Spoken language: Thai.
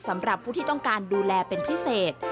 สำหรับผู้ที่ต้องการดูแลเป็นพิเศษ